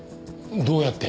どうやって？